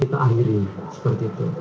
kita akhiri seperti itu